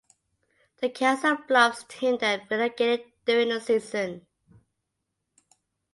The Council Bluffs team then relocated during the season.